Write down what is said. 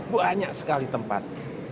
banyak sekali tempat